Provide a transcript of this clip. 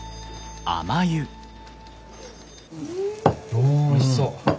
おおいしそう。